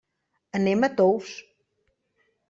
Anem a Tous.